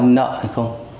bán nợ hay không